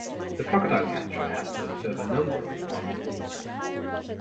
The crocodile-catcher has to observe a number of odd rules.